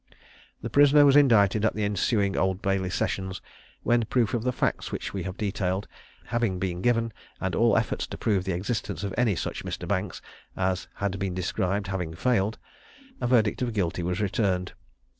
The prisoner was indicted at the ensuing Old Bailey sessions, when proof of the facts which we have detailed having been given, and all efforts to prove the existence of any such Mr. Banks as had been described having failed, a verdict of Guilty was returned.